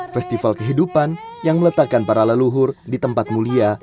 festival kehidupan yang meletakkan para leluhur di tempat mulia